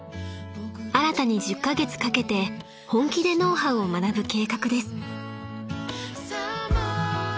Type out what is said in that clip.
［新たに１０カ月かけて本気でノウハウを学ぶ計画です］